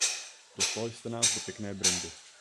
Dostal jste nás do pěkné bryndy.